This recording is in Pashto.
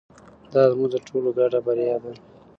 دا زموږ د ټولو ګډه بریا ده.